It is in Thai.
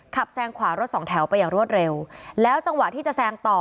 แซงขวารถสองแถวไปอย่างรวดเร็วแล้วจังหวะที่จะแซงต่อ